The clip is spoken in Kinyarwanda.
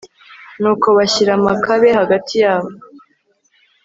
nuko bashyira makabe hagati yabo